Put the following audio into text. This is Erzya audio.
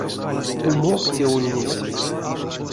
Умок те ульнесь.